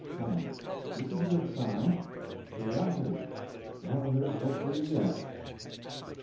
"Come, this is a good sign—curiosity. Oh, there's hope for you yet."